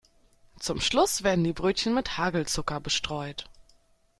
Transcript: Zum Schluss werden die Brötchen mit Hagelzucker bestreut.